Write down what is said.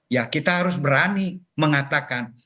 ya kita harus berani mengatakan